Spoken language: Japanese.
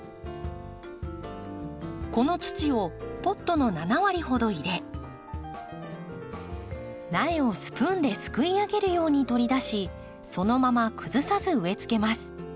この土をポットの７割ほど入れ苗をスプーンですくいあげるように取り出しそのまま崩さず植えつけます。